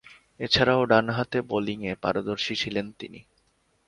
এছাড়াও ডানহাতে বোলিংয়ে পারদর্শী ছিলেন তিনি।